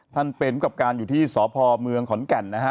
เป็นกับการอยู่ที่สพเมืองขอนแก่นนะฮะ